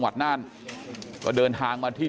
กลุ่มตัวเชียงใหม่